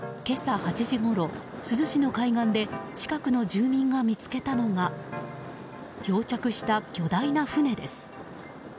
今朝８時ごろ、珠洲市の海岸で近くの住民が見つけたのが漂着した巨大な船です。